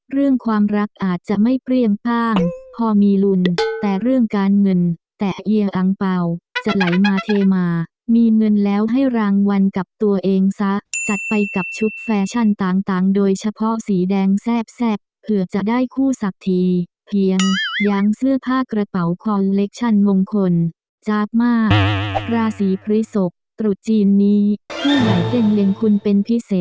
เรื่องความรักอาจจะไม่เปรี้ยงผ้างพอมีลุ้นแต่เรื่องการเงินแต่เอียอังเป่าจะไหลมาเทมามีเงินแล้วให้รางวัลกับตัวเองซะจัดไปกับชุดแฟชั่นต่างโดยเฉพาะสีแดงแซ่บเผื่อจะได้คู่สักทีเพียงย้างเสื้อผ้ากระเป๋าคอนเล็กชั่นมงคลจ๊าบมากราศีพฤศกตรุษจีนนี้เมื่อไหลเส้นเลี้ยคุณเป็นพิเศษ